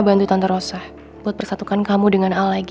bantu tante rosa buat persatukan kamu dengan al lagi